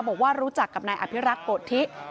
บอกว่ารู้จักกับนายอภิรักษ์โกธิ